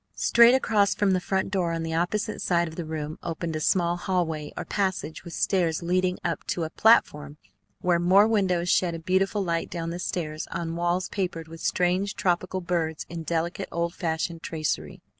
Straight across from the front door on the opposite side of the room opened a small hallway or passage with stairs leading up to a platform where more windows shed a beautiful light down the stairs on walls papered with strange tropical birds in delicate old fashioned tracery.